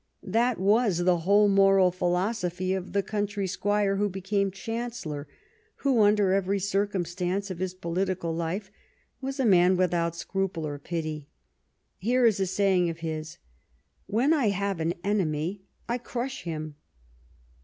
That was the whole moral philosophy of the country squire who became Chancellor, who, under every circumstance of his pohtical life, was a man without scruple or pity. Here is a saying of his :" When I have an enemy I crush him."